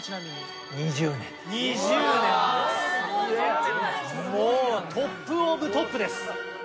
もうトップオブトップです。